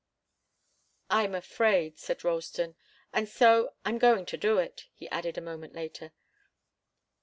"I'm afraid," said Ralston. "And so I'm going to do it," he added a moment later.